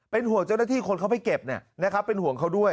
เป็นห่วงเจ้าหน้าที่คนเขาไปเก็บเป็นห่วงเขาด้วย